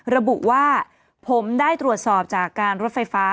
ระบุว่าผมได้ตรวจสอบจากการรถไฟฟ้า